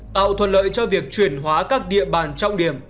tạo thuận lợi cho việc chuyển hóa các địa bàn trọng điểm